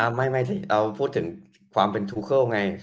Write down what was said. อ้าไม่พูดถึงความถูเก่าไง